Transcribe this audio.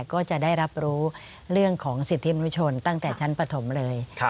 ก็จะได้รับรู้เรื่องของสิทธิมนุชนตั้งแต่ชั้นปฐมเลย